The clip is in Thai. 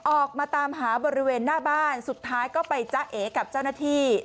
ออกมาตามหาบริเวณหน้าบ้านสุดท้ายก็ไปจ๊ะเอกับเจ้าหน้าที่